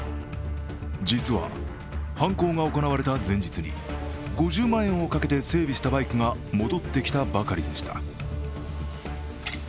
実は、犯行が行われた前日に５０万円をかけて整備をしたバイクが戻ってきたばかりでした。